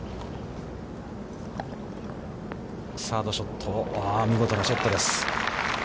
サードショット、見事なショットです。